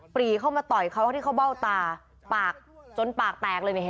ปรีเข้ามาต่อยเขาที่เขาเบ้าตาจนปากแตกเลย